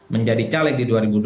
menjadi caleg di dua ribu dua puluh